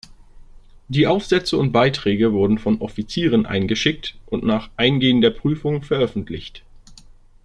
Die Aufsätze und Beiträge wurden von Offizieren eingeschickt und nach eingehender Prüfung veröffentlicht.